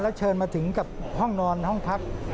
เชิญมาถึงกับห้องนอนห้องพัก